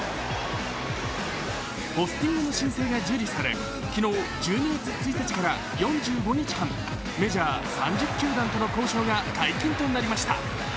ポスティングの申請が受理され、昨日、１２月１日から４５日間、メジャー３０球団との交渉が解禁となりました。